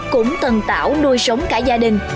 cũng tần tạo nuôi sống cả gia đình